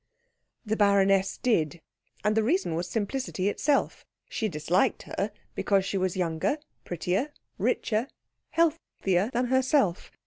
The baroness did; and the reason was simplicity itself. She disliked her because she was younger, prettier, richer, healthier than herself.